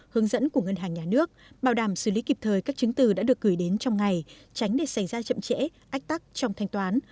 hướng dẫn của ngân hàng nhà nước bảo đảm xử lý kịp thời các chứng từ đã được gửi đến trong ngày tránh để xảy ra chậm trễ ách tắc trong thanh toán